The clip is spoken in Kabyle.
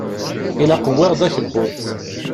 Ilaq wwiɣ-d akebbuḍ.